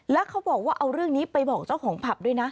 แล้วเขาบอกว่าเอาเรื่องนี้ไปบอกเจ้าของผับด้วยนะ